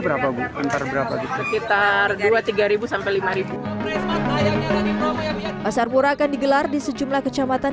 berapa bu antar berapa gitu sekitar dua puluh tiga sampai lima ribu pasal pura akan digelar di sejumlah kecamatan